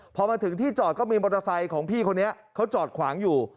พอมาถึงที่จอดก็มีมอเตอร์ไซค์ของพี่คนนี้เขาจอดขวางอยู่